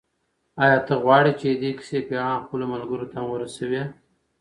آیا ته غواړې چې د دې کیسې پیغام خپلو ملګرو ته هم ورسوې؟